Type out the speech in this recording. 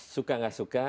suka nggak suka